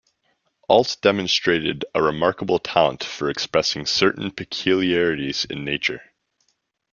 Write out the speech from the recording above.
Alt demonstrated a remarkable talent for expressing certain peculiarities in nature.